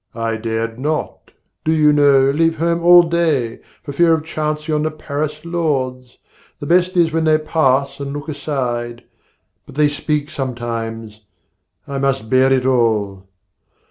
I dared not, do you know, leave home all day, For fear of chancing on the Paris lords. The best is when they pass and look aside; But they speak sometimes; I must bear it all.